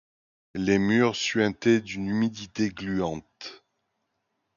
Les murs suintaient, d'une humidité gluante.